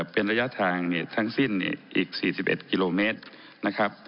เป็นระยะทางทั้งสิ้นอีก๔๑กิโลเมตรนะครับ